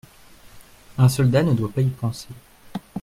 Un soldat ne doit pas y penser.